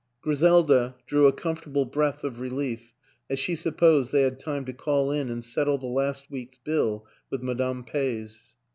Griselda drew a comforta ble breath of relief as she supposed they had time to call in and settle the last week's bill with Ma dame Peys.